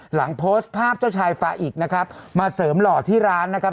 หลังโพสต์ภาพเจ้าชายฟ้าอีกนะครับมาเสริมหล่อที่ร้านนะครับ